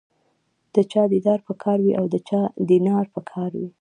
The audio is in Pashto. د چا دیدار په کار وي او د چا دینار په کار وي.